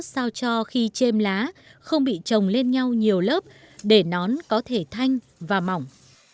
sao cho khi chiêm lá không bị trồng lên nhau nhiều lớp để nón có thể thanh và mỏng